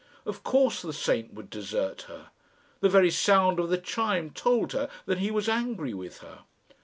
Of course the saint would desert her. The very sound of the chime told her that he was angry with her.